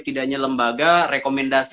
tidaknya lembaga rekomendasi